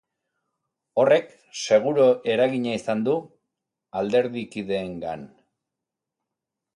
Horrek seguru eragina izan du alderdikideengan.